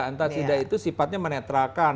antasida itu sifatnya menetralkan